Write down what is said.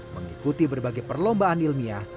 mengikuti berbagai perlombaan ilmiah